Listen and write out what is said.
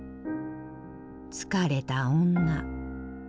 疲れた女